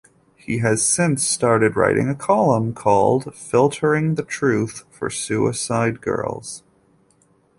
He has since started writing a column, called "Filtering The Truth," for Suicide Girls.